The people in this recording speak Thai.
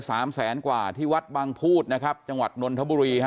สามแสนกว่าที่วัดบางพูดนะครับจังหวัดนนทบุรีฮะ